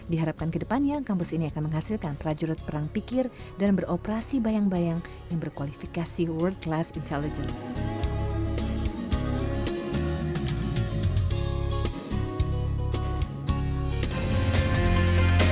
diharapkan kedepannya kampus ini akan menghasilkan prajurit perang pikir dan beroperasi bayang bayang yang berkualifikasi worldlas intelligence